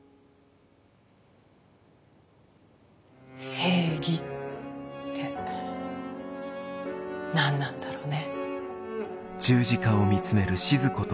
正義って何なんだろうね。